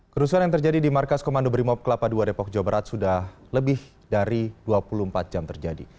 kerusuhan yang terjadi di markas komando brimob kelapa ii depok jawa barat sudah lebih dari dua puluh empat jam terjadi